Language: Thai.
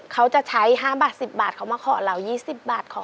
เขาจะใช้๕บาท๑๐บาทเขามาขอเรา๒๐บาทขอ